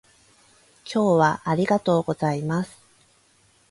今日はありがとうございます